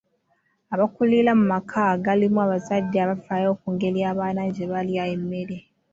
Abaakulira mu maka agalimu abazadde abafaayo ku ngeri abaana gye balya emmere.